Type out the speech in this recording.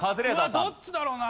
どっちだろうな？